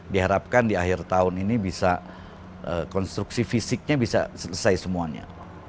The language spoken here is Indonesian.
diharapkan di akhir tahun ini bisa konstruksi fisiknya bisa selesai semuanya